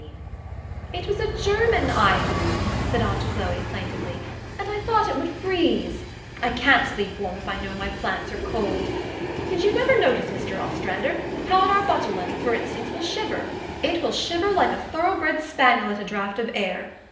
THE STORY OF AVIS. 91 "It was a German ivy," said aunt Chloe plain tively; "and I thought it would freeze. I can't sleep warm if I know my plants are cold. Did you never notice, Mr. Ostrander, how an arbutelon, for instance, will shiver? It will shiver like a thorough bred spaniel at a draught of air.